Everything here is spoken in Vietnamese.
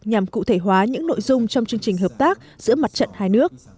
nhằm cụ thể hóa những nội dung trong chương trình hợp tác giữa mặt trận hai nước